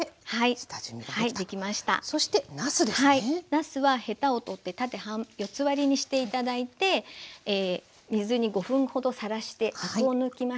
なすはヘタを取って縦四つ割りにして頂いて水に５分ほどさらしてアクを抜きました。